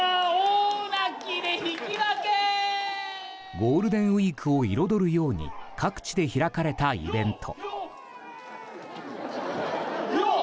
ゴールデンウィークを彩るように各地で開かれたイベント。